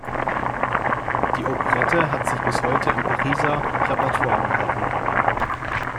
Die Operette hat sich bis heute im Pariser Repertoire gehalten.